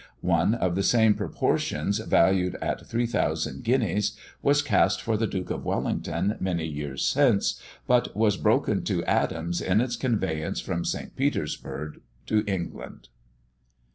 One of the same proportions, valued at 3000 guineas, was cast for the Duke of Wellington many years since, but was broken to atoms in its conveyance from St. Petersburg to England.